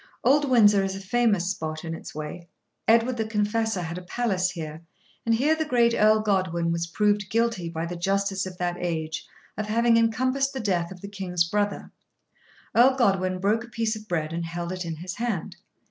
Old Windsor is a famous spot in its way. Edward the Confessor had a palace here, and here the great Earl Godwin was proved guilty by the justice of that age of having encompassed the death of the King's brother. Earl Godwin broke a piece of bread and held it in his hand.